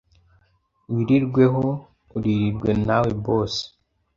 wirirweho, uririrwe nawe bosi